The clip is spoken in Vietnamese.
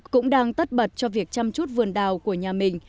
cũng đang tất bật cho việc chăm chút vườn đào của nhà mình